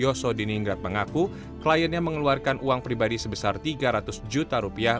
yosodiningrat mengaku kliennya mengeluarkan uang pribadi sebesar tiga ratus juta rupiah